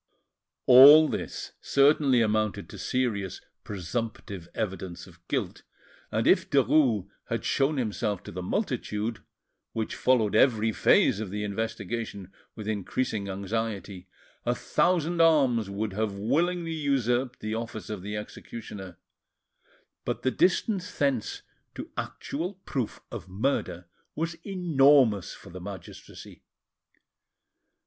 All this certainly amounted to serious presumptive evidence of guilt, and if Derues had shown himself to the multitude, which followed every phase of the investigation with increasing anxiety, a thousand arms would have willingly usurped the office of the executioner; but the distance thence to actual proof of murder was enormous for the magistracy.